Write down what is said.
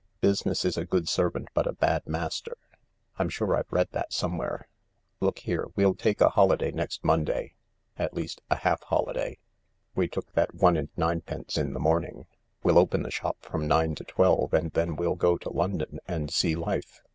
Business is a good servant but a bad master. I'm sure I've read that somewhere. Look here, we'll take a holiday next Monday — at least, a half holiday. We took that one and ninepence in the morning. We'll open the shop from nine to twelve, and then we'll go to London and see life."